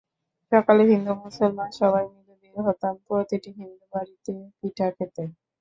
সকালে হিন্দু মুসলমান সবাই মিলে বের হতাম প্রতিটি হিন্দু বাড়িতে পিঠা খেতে।